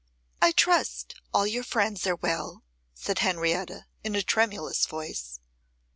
'I trust all your friends are well,' said Henrietta, in a tremulous voice.